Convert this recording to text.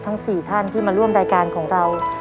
ทั้ง๔ท่านที่มาร่วมรายการของเรา